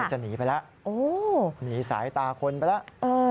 จะหนีไปแล้วหนีสายตาคนไปแล้ว